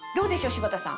柴田さん。